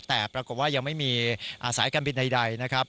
แต่ปรากฏว่ายังไม่มีสายการบินใดนะครับ